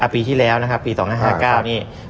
ปีที่แล้วปี๒๕๕๙นี่